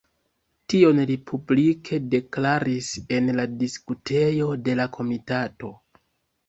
Tion li publike deklaris en la diskutejo de la komitato.